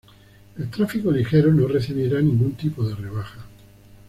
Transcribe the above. El tráfico ligero no recibirá ningún tipo de rebaja.